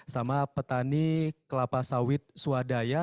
sama petani kelapa sawit swadaya